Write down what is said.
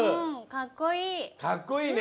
かっこいい！